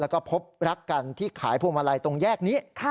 แล้วก็พบรักกันที่ขายพวงมาลัยตรงแยกนี้